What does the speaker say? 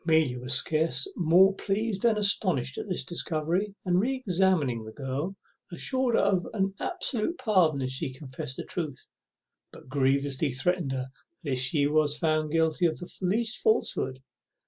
Amelia was scarce more pleased than astonished at this discovery, and re examined the girl, assuring her of an absolute pardon if she confessed the truth, but grievously threatening her if she was found guilty of the least falsehood.